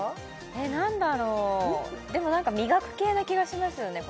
えっ何だろうでも何か磨く系な気がしますよね